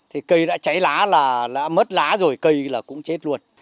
thì cây đã cháy lá là mất lá rồi cây là cũng chết luôn